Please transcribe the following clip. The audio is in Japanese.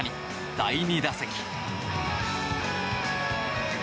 第２打席。